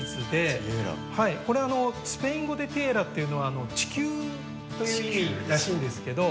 これスペイン語で「ティエラ」っていうのは「地球」という意味らしいんですけど。